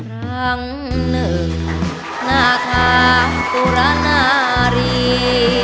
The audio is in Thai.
รังนึงนาคาภูรณารี